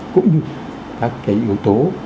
cũng như các cái yếu tố